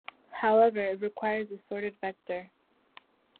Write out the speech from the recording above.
However, it requires a sorted vector.